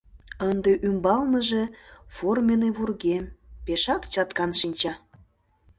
Ынде ӱмбалныже форменный вургем, пешак чаткан шинча.